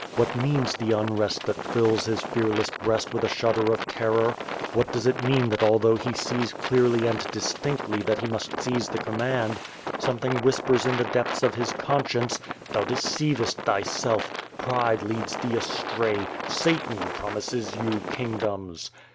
What means the unrest that fills his fearless breast with a shudder of terror? What does it mean that al though ' e sees clearly and distinctly that he must seize the command something whispers in the depths of his conscience "Thou deceivest thyself! Pride leads thee astray! Satan promises you kingdoms!"